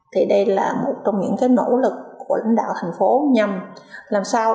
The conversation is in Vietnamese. thì đây là một trong những nỗ lực của lãnh đạo thành phố nhằm làm sao